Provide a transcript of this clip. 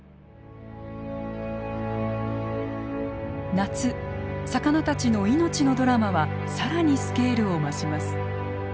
夏魚たちの命のドラマは更にスケールを増します。